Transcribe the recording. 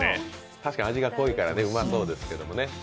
確かに味が濃いからうまそうですけどね。